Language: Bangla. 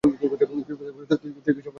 বিপ্রদাস বললে, তুই কি তবে সব কথা জানিস নে?